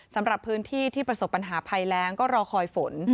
สำหรับพื้นที่ที่ประสบปัญหาภัยแรงก็รอคอยฝน